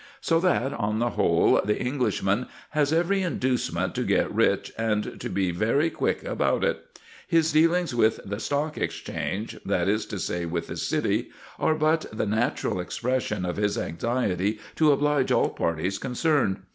So that, on the whole, the Englishman has every inducement to get rich and to be very quick about it. His dealings with the "Stock Exchange" that is to say, with the City are but the natural expression of his anxiety to oblige all parties concerned.